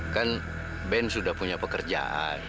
kan band sudah punya pekerjaan